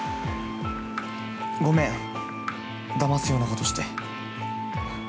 ごめん、だますようなことして。